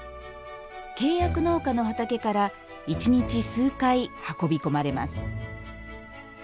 契約農家の畑から一日数回運び込まれます。